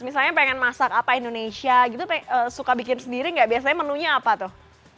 misalnya pengen masak apa indonesia gitu suka bikin sendiri nggak biasanya menunya apa tuh